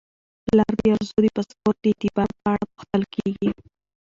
پلار د ارزو د پاسپورت د اعتبار په اړه پوښتل کیږي.